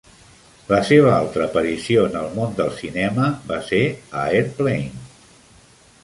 La seva altra aparició en el món del cinema va ser a Airplane!